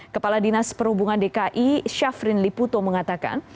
kepala dinas perhubungan dki syafrin liputo mengatakan